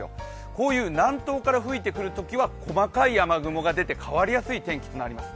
こういう南東から吹いてくるときは細かい雨雲が出て変わりやすい天気となります。